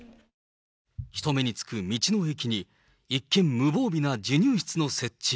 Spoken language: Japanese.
人目につく道の駅に、一見、無防備な授乳室の設置。